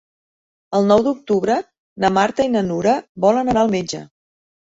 El nou d'octubre na Marta i na Nura volen anar al metge.